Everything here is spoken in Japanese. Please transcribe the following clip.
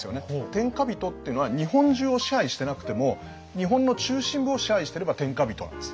天下人っていうのは日本中を支配してなくても日本の中心部を支配してれば天下人なんです。